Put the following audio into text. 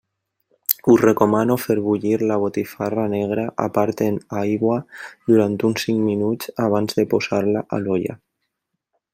Us recomano fer bullir la botifarra negra a part en aigua durant uns cinc minuts abans de posar-la a l'olla.